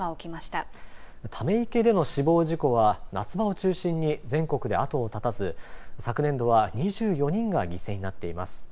ため池での死亡事故は夏場を中心に全国で後を絶たず昨年度は２４人が犠牲になっています。